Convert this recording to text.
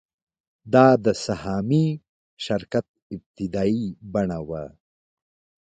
دا د سهامي شرکت ابتدايي بڼه وه